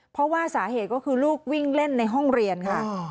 เพราะว่าสาเหตุก็คือลูกวิ่งเล่นในห้องเรียนค่ะ